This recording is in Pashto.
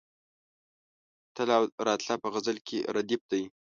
تله او راتله په غزل کې ردیف دی.